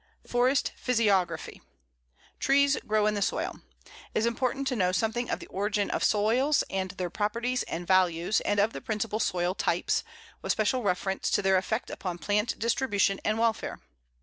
FOREST PHYSIOGRAPHY: Trees grow in the soil. It is important to know something of the origin of soils and their properties and values, and of the principal soil types, with special reference to their effect upon plant distribution and welfare.